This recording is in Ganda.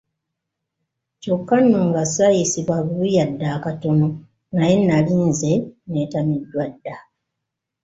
Kyokka nno nga ssaayisibwa bubi yadde akatono naye nali nze nneetamiddwa dda!